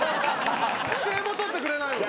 指定も取ってくれないの？